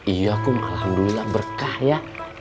iya akum alhamdulillah berkah ya